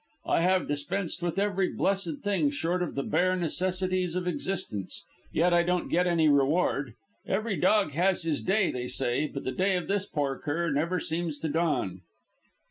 I have dispensed with every blessed thing short of the bare necessities of existence, yet I don't get any reward. Every dog has his day, they say: but the day of this poor cur never seems to dawn."